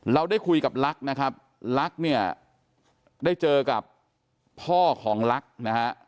เราได้คุยกับลักษณ์นะครับลักษณ์เนี่ยได้เจอกับพ่อของลักษณ์นะฮะ